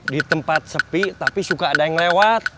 di tempat sepi tapi suka ada yang lewat